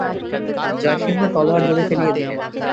জয়সিংহ তলোয়ার দূরে ফেলিয়া দিলেন।